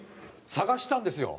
探したんですよ。